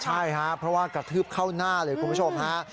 ใช่ครับเพราะว่ากระทืบเข้าหน้าเลยคุณผู้ชมฮะ